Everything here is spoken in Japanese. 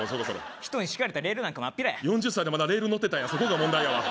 人に敷かれたレールなんかまっぴらや４０歳でまだレールに乗ってたんやそこが問題やわ